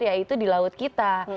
yaitu di laut kita